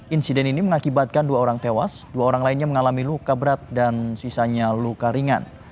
insiden ini mengakibatkan dua orang tewas dua orang lainnya mengalami luka berat dan sisanya luka ringan